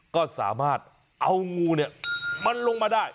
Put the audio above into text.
ก็สามารถเอางูเนี่ยมันลงมาได้